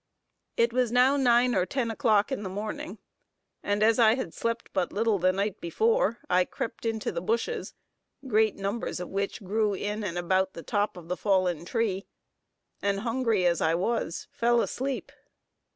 It was now nine or ten o'clock in the morning, and as I had slept but little the night before, I crept into the bushes, great numbers of which grew in and about the top of the fallen tree, and, hungry as I was, fell asleep.